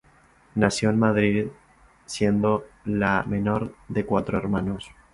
Nació en Madrid siendo la menor de cuatro hermanos.